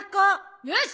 よし！